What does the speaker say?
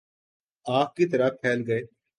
آگ کی طرح پھیل گئی